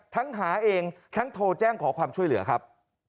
หาเองทั้งโทรแจ้งขอความช่วยเหลือครับ